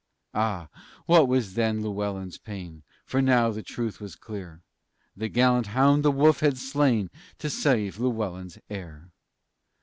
Ah! What was then Llewellyn's pain! For now the truth was clear: The gallant hound the wolf had slain To save Llewellyn's heir.